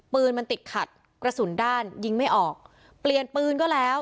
ปืนมันติดขัดกระสุนด้านยิงไม่ออกเปลี่ยนปืนก็แล้ว